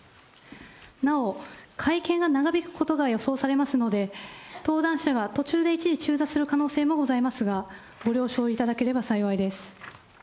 なお、会見が長引くことが予想されますので、登壇者が途中で一時中座する可能性もございますが、ご了承いただければ幸いです。